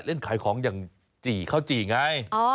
เล่นขายของอย่างจี่ข้าวจี่ไง